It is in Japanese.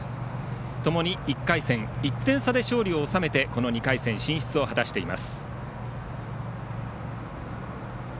ともに１回戦１点差で勝利を収めてこの２回戦進出を果たしています。